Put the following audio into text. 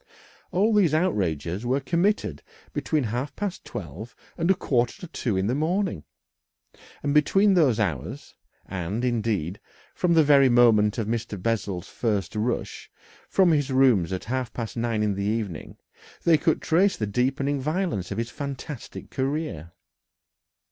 All these outrages were committed between half past twelve and a quarter to two in the morning, and between those hours and, indeed, from the very moment of Mr. Bessel's first rush from his rooms at half past nine in the evening they could trace the deepening violence of his fantastic career.